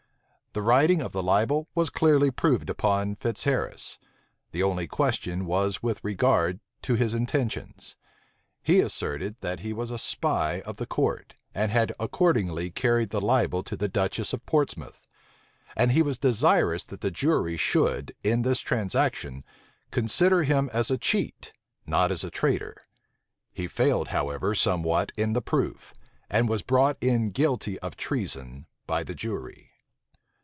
The writing of the libel was clearly proved upon Fitzharris: the only question was with regard to his intentions. He asserted, that he was a spy of the court, and had accordingly carried the libel to the duchess of Portsmouth; and he was desirous that the jury should, in this transaction, consider him as a cheat, not as a traitor. He failed, however, somewhat in the proof; and was brought in guilty of treason by the jury.